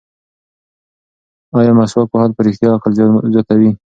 ایا مسواک وهل په رښتیا عقل زیاتوي؟